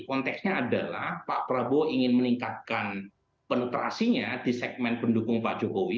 konteksnya adalah pak prabowo ingin meningkatkan penetrasinya di segmen pendukung pak jokowi